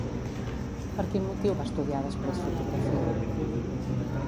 Per quin motiu va estudiar després fotografia?